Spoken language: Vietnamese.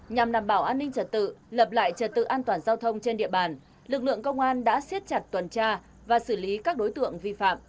nhằm đảm bảo an ninh trật tự lập lại trật tự an toàn giao thông trên địa bàn lực lượng công an đã siết chặt tuần tra và xử lý các đối tượng vi phạm